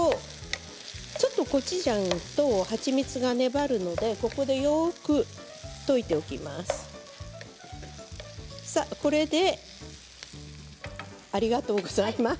コチュジャンと蜂蜜が粘るのでここでよく溶いておきます。